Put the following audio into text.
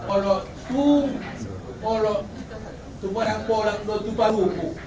olo sum olo supaya bolak bolak doon dupaluku